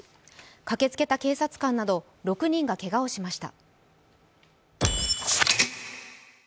駆けつけた警察官など６人がけがをしました。